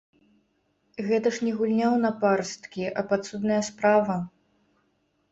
Гэта ж не гульня ў напарсткі, а падсудная справа.